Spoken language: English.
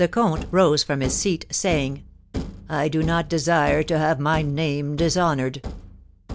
] The comte rose from his seat, saying: "I do not desire to have my name dishonoured."